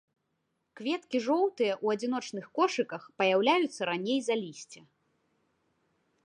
Кветкі жоўтыя ў адзіночных кошыках, паяўляюцца раней за лісце.